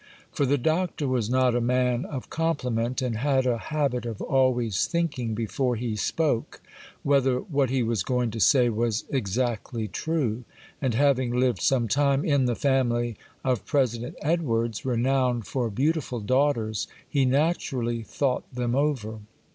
For the Doctor was not a man of compliment, and had a habit of always thinking, before he spoke, whether what he was going to say was exactly true; and having lived some time in the family of President Edwards, renowned for beautiful daughters, he naturally thought them over.